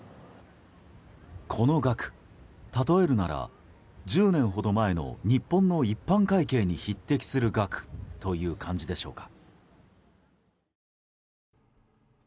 この額、例えるなら１０年ほど前の日本の一般会計に匹敵する額という感じでしょうか。